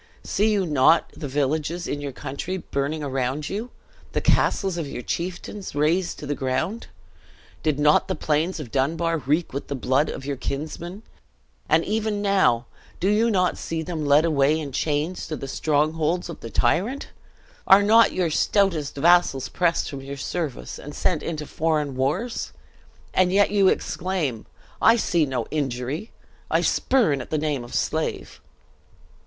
See you not the villages of your country burning around you? the castles of your chieftains razed to the ground? Did not the plains of Dunbar reek with the blood of your kinsmen; and even now, do you not see them led away in chains to the strongholds of the tyrant? Are not your stoutest vassals pressed from your service, and sent into foreign wars? And yet you exclaim, 'I see no injury I spurn at the name of slave!'"